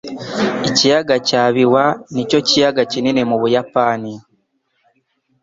Ikiyaga cya Biwa nicyo kiyaga kinini mu Buyapani.